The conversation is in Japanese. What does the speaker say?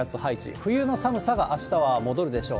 冬の寒さが、あしたは戻るでしょう。